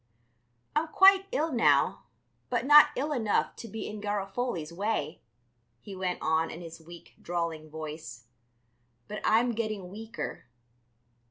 "I'm quite ill now, but not ill enough to be in Garofoli's way," he went on in his weak, drawling voice, "but I'm getting weaker.